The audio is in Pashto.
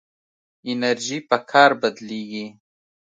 انرژي په کار بدلېږي.